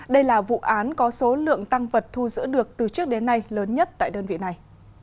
đây là vụ án có số lượng tăng vật thu giữ được từ trước đến nay lớn nhất tại đơn vị này